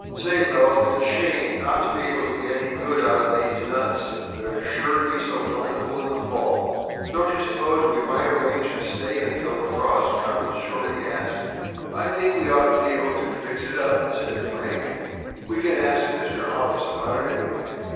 "Say, fellows, its a shame not to be able to get any good out of these nuts that are sure to be so plentiful in the fall. Don't you suppose we might arrange to stay until the frost comes?" Shorty asked. "I should think we ought to be able to fix it up," said Frank. "We can ask Mr. Hollis about it anyway."